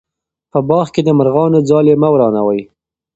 په باغ کې د مرغانو ځالې مه ورانوئ.